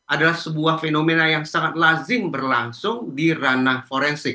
adalah sebuah fenomena yang sangat lazim berlangsung di ranah forensik